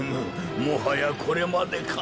もはやこれまでか。